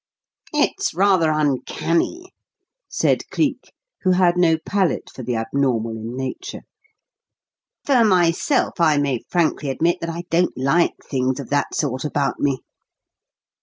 "It's rather uncanny," said Cleek, who had no palate for the abnormal in Nature. "For myself, I may frankly admit that I don't like things of that sort about me."